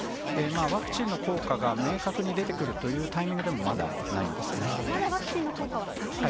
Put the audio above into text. ワクチンの効果が明確に出てくるというタイミングでも、まだないまだワクチンの効果は先？